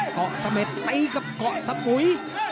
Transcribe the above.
เกาะเสม็ดตีกับเกาะสปุ๋ย